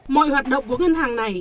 mọi hoạt động của ngân hàng này